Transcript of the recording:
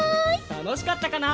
たのしかったかな？